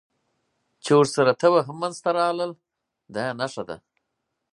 چې ورسره تبه هم منځته راتلل، دا یې نښه ده.